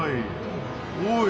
おい。